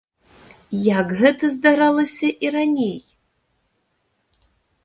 Як гэта здаралася і раней.